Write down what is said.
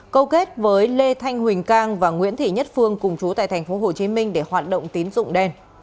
câu kết với lê thanh huỳnh cang và nguyễn thị nhất phương cùng chú tại tp hcm để hoạt động tín dụng đen